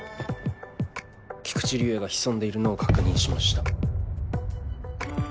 菊池竜哉が潜んでいるのを確認しました。